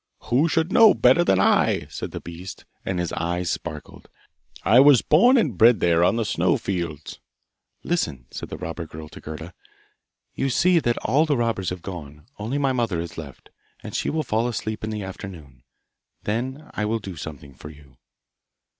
'Who should know better than I?' said the beast, and his eyes sparkled. 'I was born and bred there on the snow fields.' 'Listen!' said the robber girl to Gerda; 'you see that all the robbers have gone; only my mother is left, and she will fall asleep in the afternoon then I will do something for you!